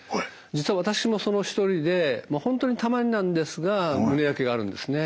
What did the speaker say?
実は私もその一人で本当にたまになんですが胸やけがあるんですね。